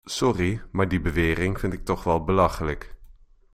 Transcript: Sorry, maar die bewering vind ik toch wel belachelijk.